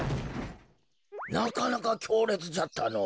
なかなかきょうれつじゃったのお。